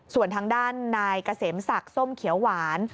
ส่วนทางด้านนายเกษมศักดิ์ส้มเขียวหวาน